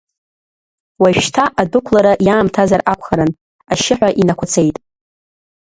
Уажәшьҭа адәықәлара иаамҭазар акәхарын, ашьшьыҳәа инақәацеит.